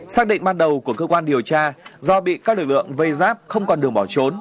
xác định ban đầu của cơ quan điều tra do bị các lực lượng vây giáp không còn đường bỏ trốn